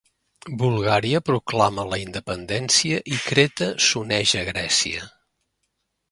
Bulgària proclama la independència i Creta s'uneix a Grècia.